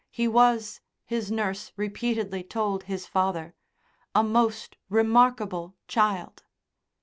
He was, his nurse repeatedly told his father, "a most remarkable child."